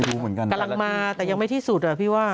กำลังมาแต่ยังไม่ที่สุดอ่ะพี่ว่า